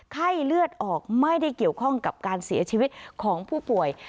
ไข้เลือดออกไม่ได้เกี่ยวข้องกับการเสียชีวิตของผู้ป่วย